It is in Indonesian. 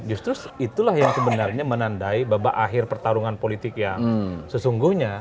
justru itulah yang sebenarnya menandai babak akhir pertarungan politik yang sesungguhnya